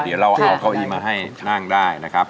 เดี๋ยวเราเอาเก้าอี้มาให้นั่งได้นะครับ